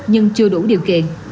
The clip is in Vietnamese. nhưng chưa đủ điều kiện